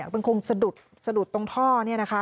มันคงสะดุดตรงท่อนี่นะคะ